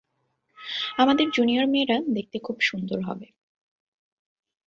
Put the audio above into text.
আমাদের জুনিয়র মেয়েরা দেখতে খুব সুন্দর হবে।